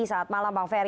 saat malam pak ferry